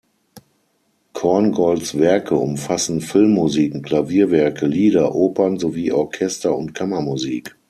Korngolds Werke umfassen Filmmusiken, Klavierwerke, Lieder, Opern sowie Orchester- und Kammermusik.